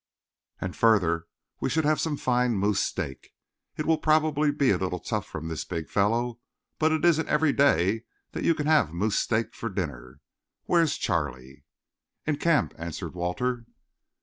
And, further, we shall have some fine moose steak. It will probably be a little tough from this big fellow, but it isn't every day that you can have moose steak for dinner. Where is Charlie?" "In camp," answered Walter.